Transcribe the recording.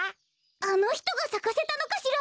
あのひとがさかせたのかしら？